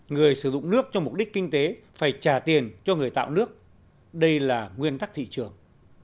người sử dụng nước cho mục đích kinh tế phải trả tiền cho người tạo nước đây là nguyên tắc thị trường